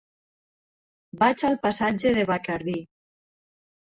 Vaig al passatge de Bacardí.